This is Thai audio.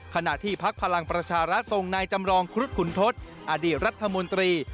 ขณะที่พักพลังประชารัฐส่งนายจำรองครุฑขุนทศอดีตรัฐมนตรี